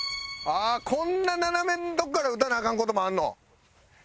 あこんな斜めんとこから打たなアカン事もあるの？